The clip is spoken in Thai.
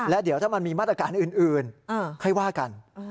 แล้วเดี๋ยวถ้ามันมีมาตรการอื่นค่อยว่ากัน